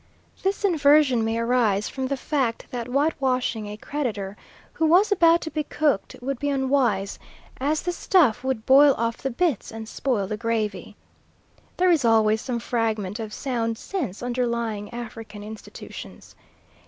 This inversion may arise from the fact that whitewashing a creditor who was about to be cooked would be unwise, as the stuff would boil off the bits and spoil the gravy. There is always some fragment of sound sense underlying African institutions.